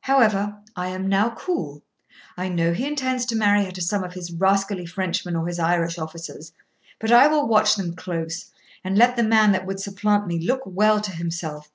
However, I am now cool. I know he intends to marry her to some of his rascally Frenchmen or his Irish officers, but I will watch them close; and let the man that would supplant me look well to himself.